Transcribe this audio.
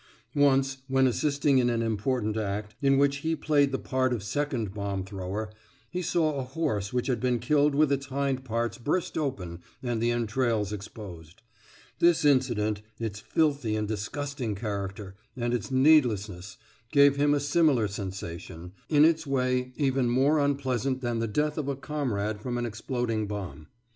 Once, when assisting in an important act, in which he played the part of second bomb thrower, he saw a horse which had been killed with its hind parts burst open and the entrails exposed; this incident, its filthy and disgusting character, and its needlessness, gave him a similar sensation in its way even more unpleasant than the death of a comrade from an exploding bomb.